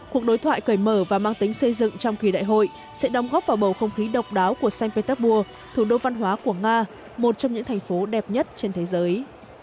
cuộc đối thoại cởi mở và mang tính xây dựng trong kỳ đại hội sẽ đóng góp vào bầu không khí độc đáo của saint petersburg thủ đô văn hóa của nga một trong những thành phố đẹp nhất trên thế giới